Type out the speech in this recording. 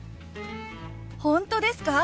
本当ですか？